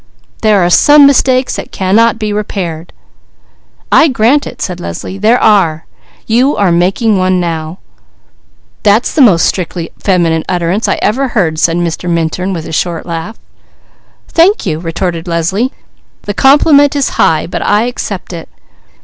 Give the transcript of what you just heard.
"There are some mistakes that cannot be repaired!" "I grant it," said Leslie. "There are! You are making one right now!" "That's the most strictly feminine utterance I ever heard," said Mr. Minturn, with a short laugh. "Thank you," retorted Leslie. "The compliment is high, but I accept it.